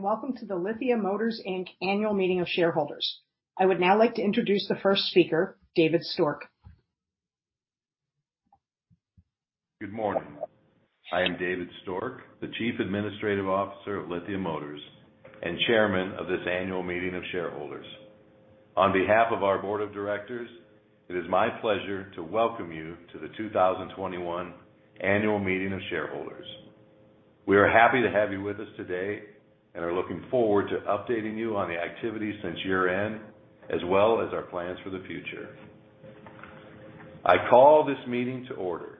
Hello, and welcome to the Lithia Motors, Inc. Annual Meeting of Shareholders. I would now like to introduce the first speaker, David Stork. Good morning. I am David Stork, the Chief Administrative Officer of Lithia Motors and Chairman of this Annual Meeting of Shareholders. On behalf of our Board of Directors, it is my pleasure to welcome you to the 2021 Annual Meeting of Shareholders. We are happy to have you with us today and are looking forward to updating you on the activities since year-end, as well as our plans for the future. I call this meeting to order.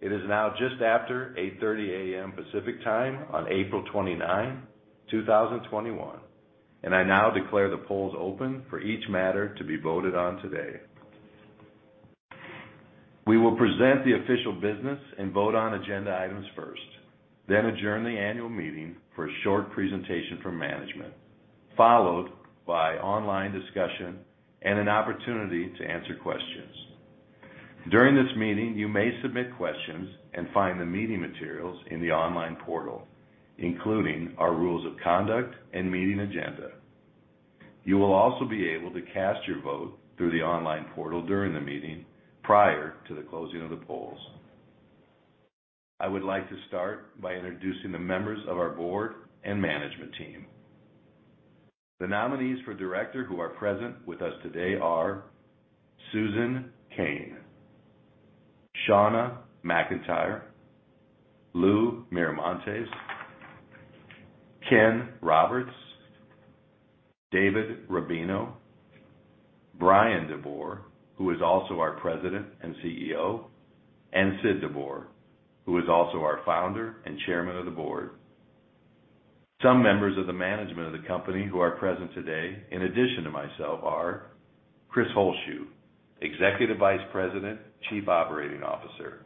It is now just after 8:30 A.M. Pacific Time on April 29, 2021, and I now declare the polls open for each matter to be voted on today. We will present the official business and vote on agenda items first, then adjourn the Annual Meeting for a short presentation from management, followed by online discussion and an opportunity to answer questions. During this meeting, you may submit questions and find the meeting materials in the online portal, including our rules of conduct and meeting agenda. You will also be able to cast your vote through the online portal during the meeting prior to the closing of the polls. I would like to start by introducing the members of our board and management team. The nominees for Director who are present with us today are Susan Cain, Shauna McIntyre, Lou Miramontes, Ken Roberts, David Robino, Bryan DeBoer, who is also our President and CEO, and Sid DeBoer, who is also our Founder and Chairman of the Board. Some members of the management of the company who are present today, in addition to myself, are Chris Holzshu, Executive Vice President, Chief Operating Officer.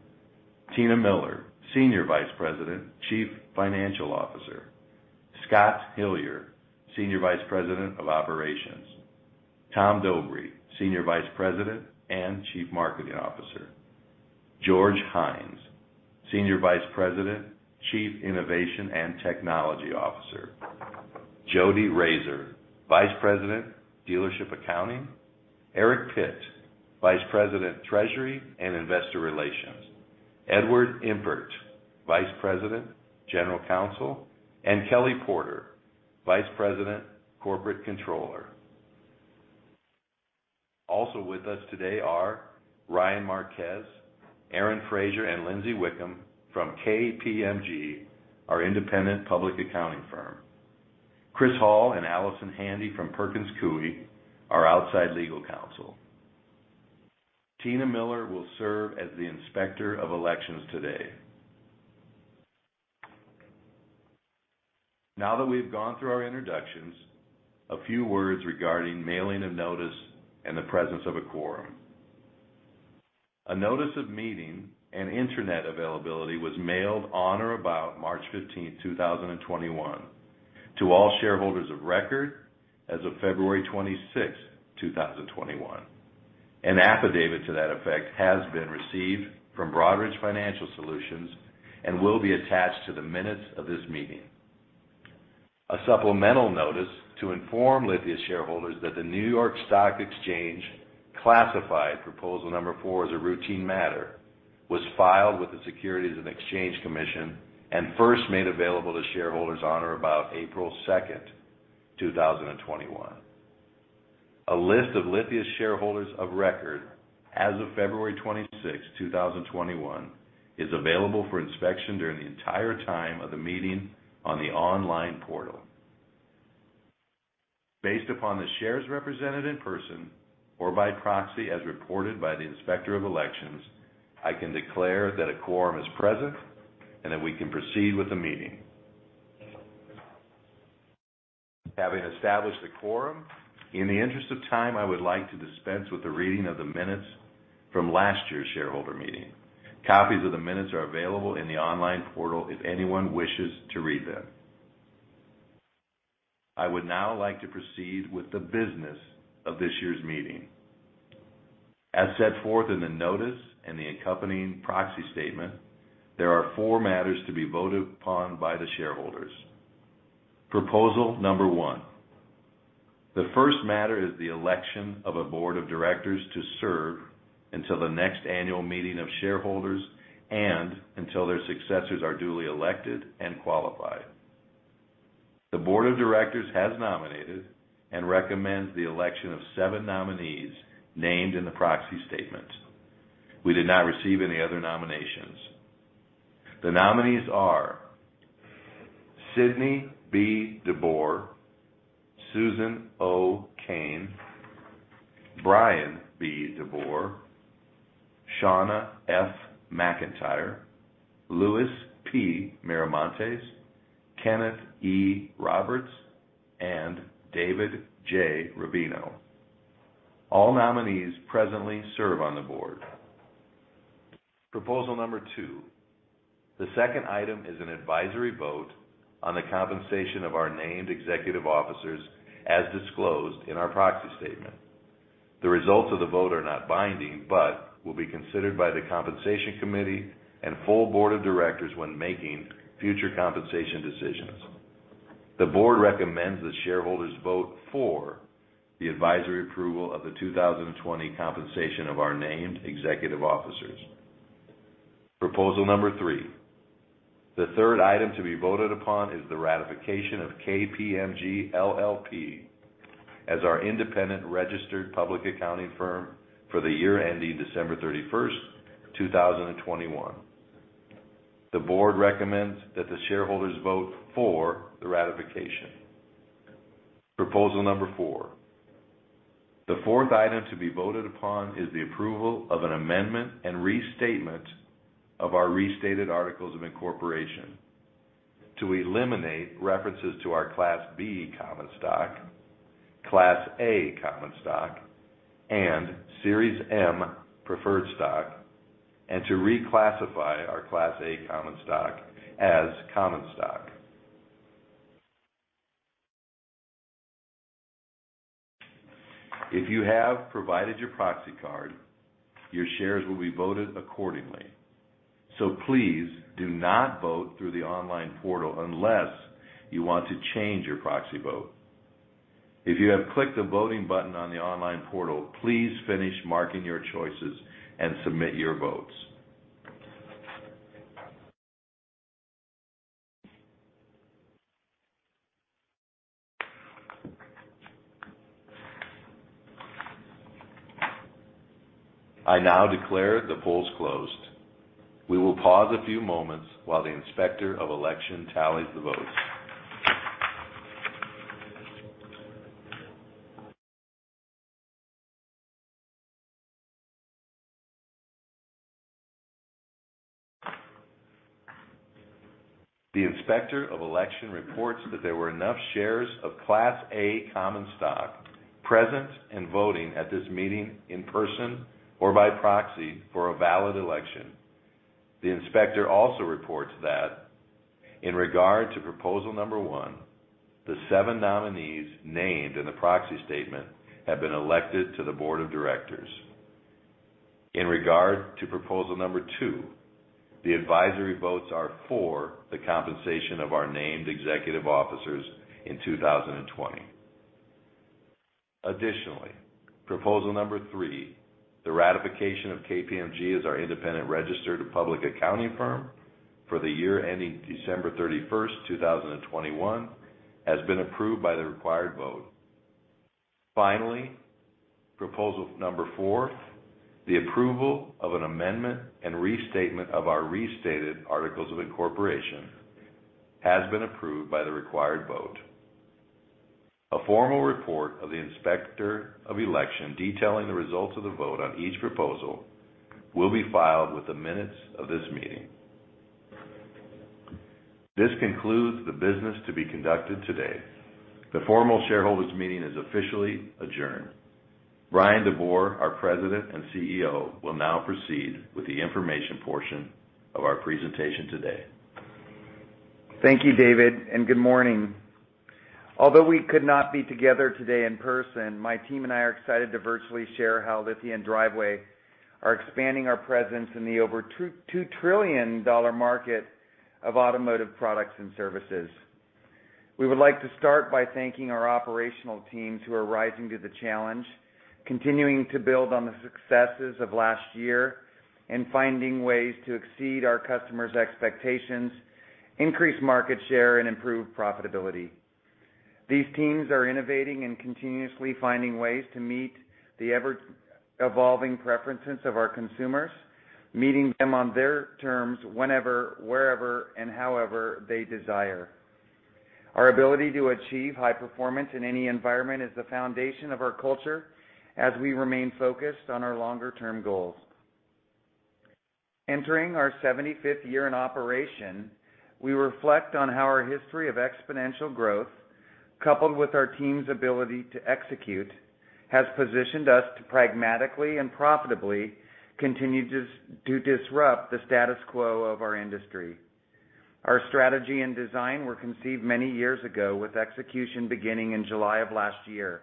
Tina Miller, Senior Vice President, Chief Financial Officer. Scott Hillier, Senior Vice President of Operations. Tom Dobry, Senior Vice President and Chief Marketing Officer. George Hines, Senior Vice President, Chief Innovation and Technology Officer. Jodi Rasor, Vice President, Dealership Accounting. Eric Pitt, Vice President, Treasury and Investor Relations. Edward Impert, Vice President, General Counsel, and Kelly Porter, Vice President, Corporate Controller. Also with us today are Ryan Marquez, Aaron Frazier, and Lindsay Wickham from KPMG, our independent public accounting firm. Chris Hall and Allison Handy from Perkins Coie, our outside legal counsel. Tina Miller will serve as the Inspector of Elections today. Now that we have gone through our introductions, a few words regarding mailing of notice and the presence of a quorum. A notice of meeting and Internet availability was mailed on or about March 15th, 2021 to all shareholders of record as of February 26th, 2021. An affidavit to that effect has been received from Broadridge Financial Solutions and will be attached to the minutes of this meeting. A supplemental notice to inform Lithia shareholders that the New York Stock Exchange classified proposal number four as a routine matter was filed with the Securities and Exchange Commission and first made available to shareholders on or about April 2nd, 2021. A list of Lithia shareholders of record as of February 26, 2021 is available for inspection during the entire time of the meeting on the online portal. Based upon the shares represented in person or by proxy as reported by the Inspector of Elections, I can declare that a quorum is present and that we can proceed with the meeting. Having established a quorum, in the interest of time, I would like to dispense with the reading of the minutes from last year's shareholder meeting. Copies of the minutes are available in the online portal if anyone wishes to read them. I would now like to proceed with the business of this year's meeting. As set forth in the notice and the accompanying proxy statement, there are four matters to be voted upon by the shareholders. Proposal number one. The first matter is the election of a Board of Directors to serve until the next annual meeting of shareholders and until their successors are duly elected and qualified. The Board of Directors has nominated and recommends the election of seven nominees named in the proxy statement. We did not receive any other nominations. The nominees are Sidney B. DeBoer, Susan O. Cain, Bryan B. DeBoer, Shauna F. McIntyre, Louis P. Miramontes, Kenneth E. Roberts, and David J. Robino. All nominees presently serve on the board. Proposal number two. The second item is an advisory vote on the compensation of our named executive officers as disclosed in our proxy statement. The results of the vote are not binding, but will be considered by the compensation committee and full Board of Directors when making future compensation decisions. The Board recommends that shareholders vote for the advisory approval of the 2020 compensation of our named executive officers. Proposal number three. The third item to be voted upon is the ratification of KPMG LLP as our independent registered public accounting firm for the year ending December 31st, 2021. The board recommends that the shareholders vote for the ratification. Proposal number four. The fourth item to be voted upon is the approval of an amendment and restatement of our restated articles of incorporation to eliminate references to our Class B common stock, Class A common stock, and Series M Preferred Stock, and to reclassify our Class A common stock as common stock. If you have provided your proxy card, your shares will be voted accordingly. Please do not vote through the online portal unless you want to change your proxy vote. If you have clicked the voting button on the online portal, please finish marking your choices and submit your votes. I now declare the polls closed. We will pause a few moments while the Inspector of Election tallies the votes. The Inspector of Election reports that there were enough shares of Class A common stock present and voting at this meeting in person or by proxy for a valid election. The Inspector also reports that in regard to proposal number one, the seven nominees named in the proxy statement have been elected to the Board of Directors. In regard to proposal number two, the advisory votes are for the compensation of our named executive officers in 2020. Additionally, proposal number three, the ratification of KPMG as our independent registered public accounting firm for the year ending December 31st, 2021, has been approved by the required vote. Finally, proposal number four, the approval of an amendment and restatement of our restated articles of incorporation has been approved by the required vote. A formal report of the Inspector of Election detailing the results of the vote on each proposal will be filed with the minutes of this meeting. This concludes the business to be conducted today. The formal shareholders meeting is officially adjourned. Bryan DeBoer, our President and CEO, will now proceed with the information portion of our presentation today. Thank you, David, and good morning. Although we could not be together today in person, my team and I are excited to virtually share how Lithia & Driveway are expanding our presence in the over $2 trillion market of automotive products and services. We would like to start by thanking our operational teams who are rising to the challenge, continuing to build on the successes of last year, and finding ways to exceed our customers' expectations, increase market share, and improve profitability. These teams are innovating and continuously finding ways to meet the ever-evolving preferences of our consumers, meeting them on their terms whenever, wherever, and however they desire. Our ability to achieve high performance in any environment is the foundation of our culture as we remain focused on our longer-term goals. Entering our 75th year in operation, we reflect on how our history of exponential growth, coupled with our team's ability to execute, has positioned us to pragmatically and profitably continue to disrupt the status quo of our industry. Our strategy and design were conceived many years ago, with execution beginning in July of last year.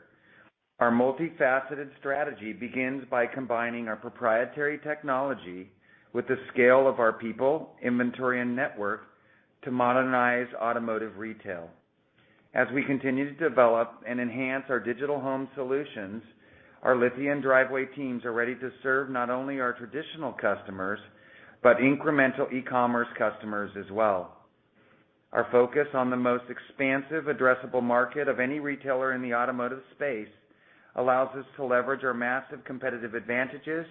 Our multifaceted strategy begins by combining our proprietary technology with the scale of our people, inventory, and network to modernize automotive retail. As we continue to develop and enhance our digital home solutions, our Lithia & Driveway teams are ready to serve not only our traditional customers, but incremental e-commerce customers as well. Our focus on the most expansive addressable market of any retailer in the automotive space allows us to leverage our massive competitive advantages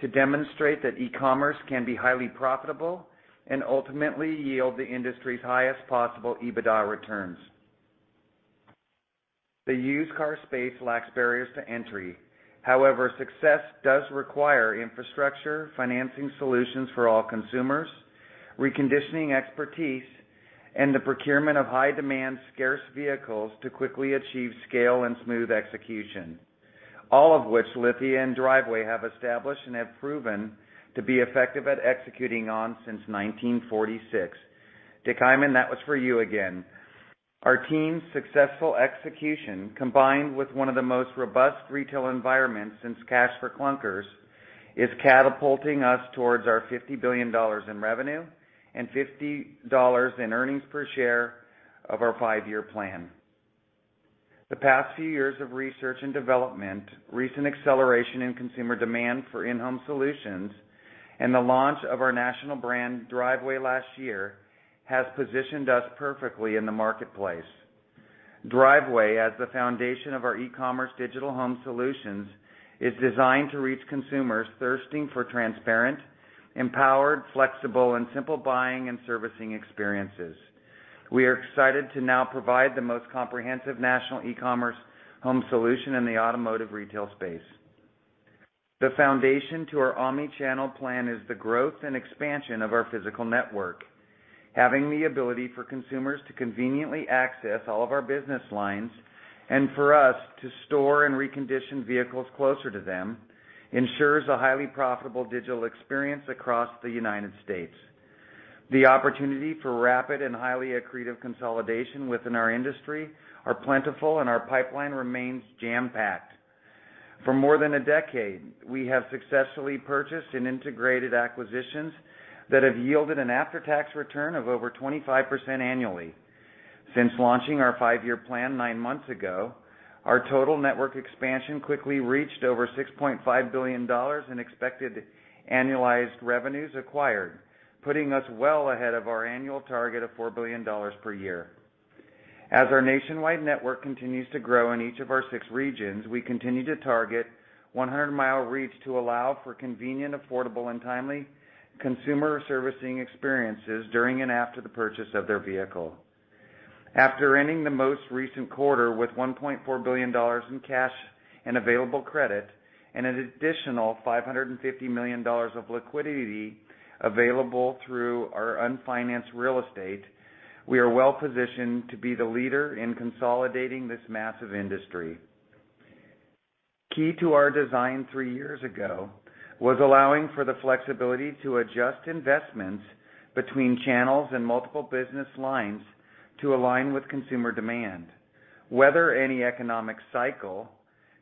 to demonstrate that e-commerce can be highly profitable and ultimately yield the industry's highest possible EBITDA returns. The used car space lacks barriers to entry. However, success does require infrastructure, financing solutions for all consumers, reconditioning expertise, and the procurement of high-demand, scarce vehicles to quickly achieve scale and smooth execution, all of which Lithia & Driveway have established and have proven to be effective at executing on since 1946. Dick Heimann, that was for you again. Our team's successful execution, combined with one of the most robust retail environments since Cash for Clunkers, is catapulting us towards our $50 billion in revenue and $50 in earnings per share of our five-year plan. The past few years of research and development, recent acceleration in consumer demand for in-home solutions, and the launch of our national brand Driveway last year has positioned us perfectly in the marketplace. Driveway, as the foundation of our e-commerce digital home solutions, is designed to reach consumers thirsting for transparent, empowered, flexible, and simple buying and servicing experiences. We are excited to now provide the most comprehensive national e-commerce home solution in the automotive retail space. The foundation to our omni-channel plan is the growth and expansion of our physical network. Having the ability for consumers to conveniently access all of our business lines and for us to store and recondition vehicles closer to them ensures a highly profitable digital experience across the United States. The opportunity for rapid and highly accretive consolidation within our industry are plentiful, and our pipeline remains jam-packed. For more than a decade, we have successfully purchased and integrated acquisitions that have yielded an after-tax return of over 25% annually. Since launching our five-year plan nine months ago, our total network expansion quickly reached over $6.5 billion in expected annualized revenues acquired, putting us well ahead of our annual target of $4 billion per year. As our nationwide network continues to grow in each of our six regions, we continue to target 100-mile reach to allow for convenient, affordable, and timely consumer servicing experiences during and after the purchase of their vehicle. After ending the most recent quarter with $1.4 billion in cash and available credit and an additional $550 million of liquidity available through our unfinanced real estate, we are well-positioned to be the leader in consolidating this massive industry. Key to our design three years ago was allowing for the flexibility to adjust investments between channels and multiple business lines to align with consumer demand, weather any economic cycle,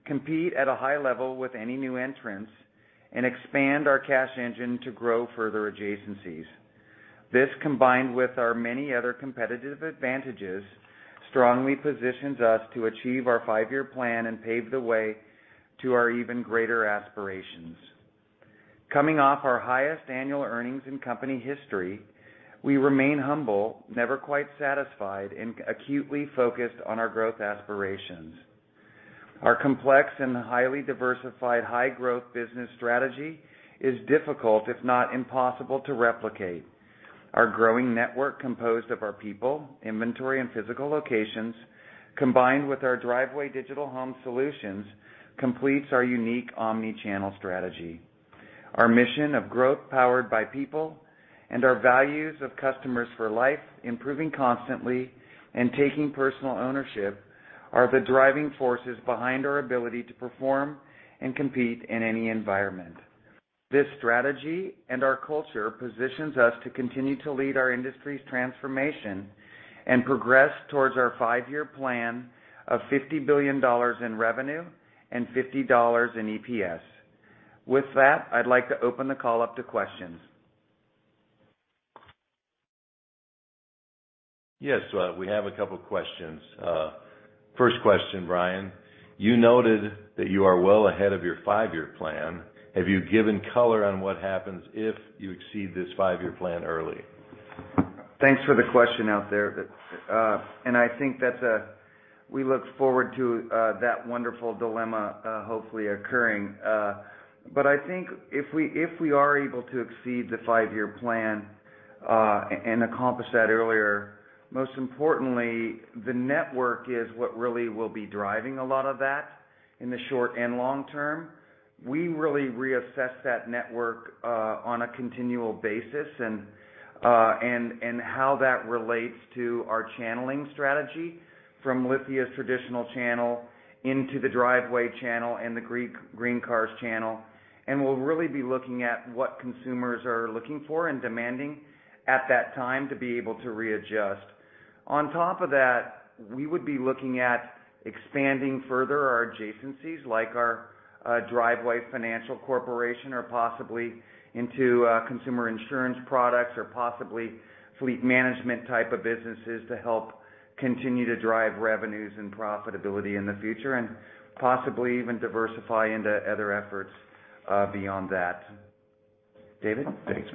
compete at a high level with any new entrants, and expand our cash engine to grow further adjacencies. This, combined with our many other competitive advantages, strongly positions us to achieve our five-year plan and pave the way to our even greater aspirations. Coming off our highest annual earnings in company history, we remain humble, never quite satisfied, and acutely focused on our growth aspirations. Our complex and highly diversified high-growth business strategy is difficult, if not impossible, to replicate. Our growing network composed of our people, inventory, and physical locations, combined with our Driveway digital home solutions, completes our unique omni-channel strategy. Our mission of growth powered by people and our values of customers for life, improving constantly, and taking personal ownership are the driving forces behind our ability to perform and compete in any environment. This strategy and our culture positions us to continue to lead our industry's transformation and progress towards our five-year plan of $50 billion in revenue and $50 in EPS. With that, I'd like to open the call up to questions. Yes, we have a couple questions. First question, Bryan. You noted that you are well ahead of your five-year plan. Have you given color on what happens if you exceed this five-year plan early? Thanks for the question out there. I think we look forward to that wonderful dilemma hopefully occurring. I think if we are able to exceed the five-year plan and accomplish that earlier, most importantly, the network is what really will be driving a lot of that in the short and long term. We really reassess that network on a continual basis and how that relates to our channeling strategy from Lithia's traditional channel into the Driveway channel and the GreenCars channel. We'll really be looking at what consumers are looking for and demanding at that time to be able to readjust. On top of that, we would be looking at expanding further our adjacencies, like our Driveway Finance Corporation or possibly into consumer insurance products or possibly fleet management type of businesses to help continue to drive revenues and profitability in the future, and possibly even diversify into other efforts beyond that. David, any questions? Thanks,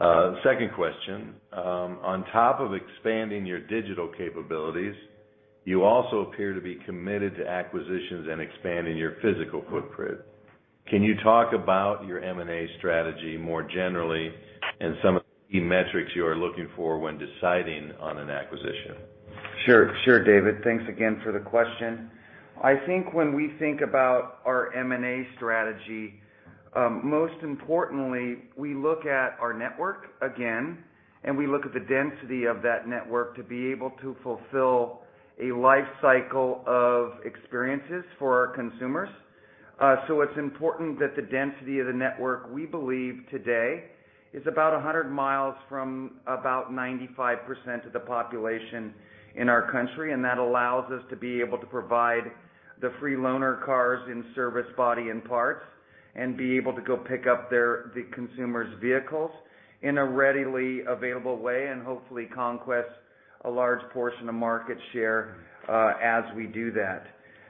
Bryan. Second question. On top of expanding your digital capabilities, you also appear to be committed to acquisitions and expanding your physical footprint. Can you talk about your M&A strategy more generally and some of the key metrics you are looking for when deciding on an acquisition? Sure. Sure, David. Thanks again for the question. I think when we think about our M&A strategy, most importantly, we look at our network again, and we look at the density of that network to be able to fulfill a life cycle of experiences for our consumers. It's important that the density of the network we believe today is about 100 miles from about 95% of the population in our country, and that allows us to be able to provide the free loaner cars and service body and parts, and be able to go pick up the consumer's vehicles in a readily available way, and hopefully conquest a large portion of market share as we do that.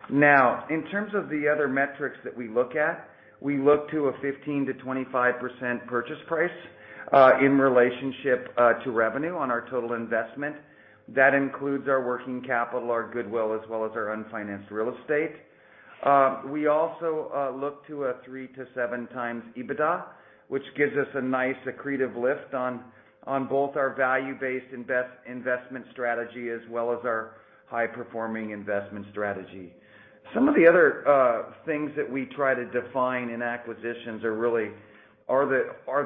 Now, in terms of the other metrics that we look at, we look to a 15%-25% purchase price in relationship to revenue on our total investment. That includes our working capital, our goodwill, as well as our unfinanced real estate. We also look to a 3x-7x EBITDA, which gives us a nice accretive lift on both our value-based investment strategy as well as our high-performing investment strategy. Some of the other things that we try to define in acquisitions are really are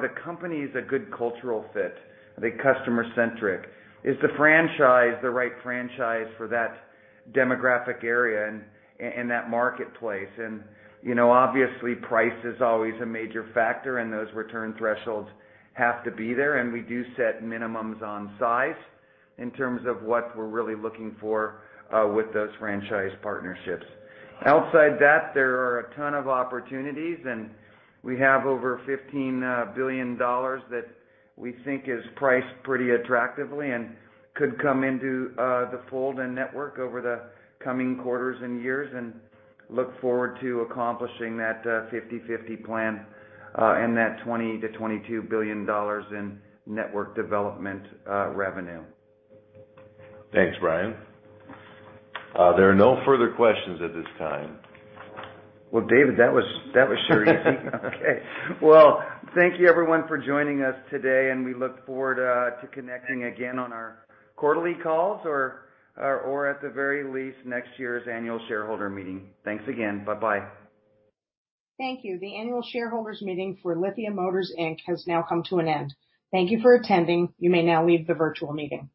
the companies a good cultural fit? Are they customer centric? Is the franchise the right franchise for that demographic area and that marketplace? You know, obviously, price is always a major factor, and those return thresholds have to be there, and we do set minimums on size in terms of what we're really looking for with those franchise partnerships. Outside that, there are a ton of opportunities. We have over $15 billion that we think is priced pretty attractively and could come into the fold and network over the coming quarters and years. We look forward to accomplishing that 50/50 plan and that $20 billion-$22 billion in network development revenue. Thanks, Bryan. There are no further questions at this time. Well, David, that was sure easy. Okay. Well, thank you everyone for joining us today, and we look forward to connecting again on our quarterly calls or at the very least, next year's annual shareholder meeting. Thanks again. Bye-bye. Thank you. The annual shareholders meeting for Lithia Motors Inc. has now come to an end. Thank you for attending. You may now leave the virtual meeting.